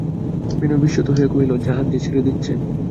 বিনয় বিস্মিত হইয়া কহিল, জাহাজ যে ছেড়ে দিচ্ছে।